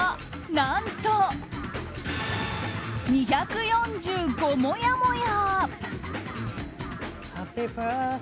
何と２４５もやもや！